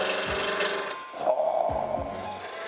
はあ。